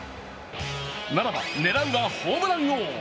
ならば狙うはホームラン王。